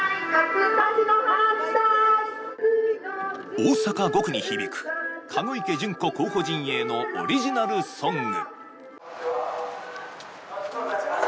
大阪５区に響く籠池諄子候補陣営のオリジナルソング。